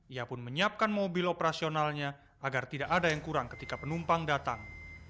ia pun menyiapkan mobil operasionalnya agar tidak ada yang kurang ketika penumpang datang